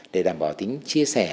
để đảm bảo tính chia sẻ